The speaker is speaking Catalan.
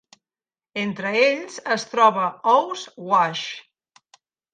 Entre ells es troba Ouse Wash.